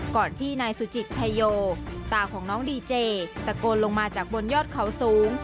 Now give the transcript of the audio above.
ก่อนที่นายสุจิตชายโยตาของน้องดีเจตะโกนลงมาจากบนยอดเขาสูง